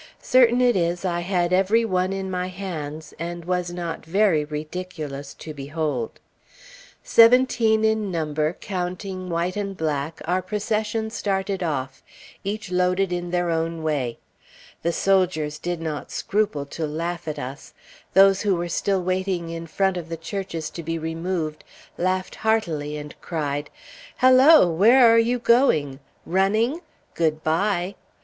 Certain it is I had every one in my hands, and was not very ridiculous to behold. Seventeen in number, counting white and black, our procession started off, each loaded in their own way. The soldiers did not scruple to laugh at us. Those who were still waiting in front of the churches to be removed laughed heartily, and cried, "Hello! Where are you going? Running? Good bye!"